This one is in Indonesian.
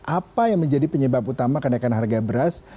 apa yang menjadi penyebab utama kenaikan harga beras